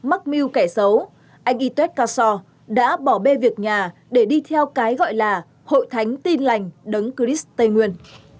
anh y tuét ca so đã bỏ bê việc nhà để đi theo cái gọi là hội thánh tin lành đấng chris tây nguyên